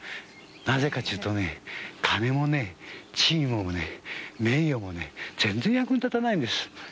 なぜかというと金もね、地位もね、名誉もね全然役に立たないんです。